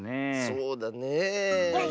そうだねえ。